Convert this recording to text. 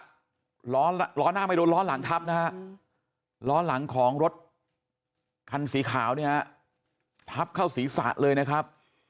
จากล้อหน้าไม่โดนล้อหลังทับล้อหลังของรถคันสีขาวทับเข้าสีสาดเลยนะครับ